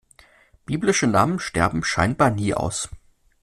Biblische Namen sterben scheinbar nie aus.